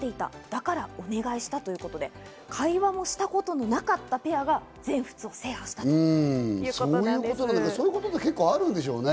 だからお願いしたということで会話もしたことなかったペアが全仏を制覇したということなんです。